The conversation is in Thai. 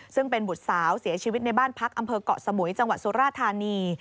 ซึ่งเป็นบุตรสาวเสียชีวิตในบ้านพักอำเภอกเกาะสมุยจังหวัดสุราธานี